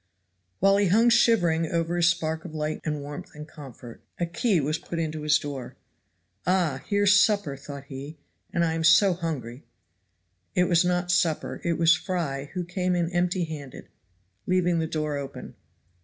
While he hung shivering over his spark of light and warmth and comfort, a key was put into his door. "Ah! here's supper," thought he, "and I am so hungry." It was not supper, it was Fry who came in empty handed, leaving the door open.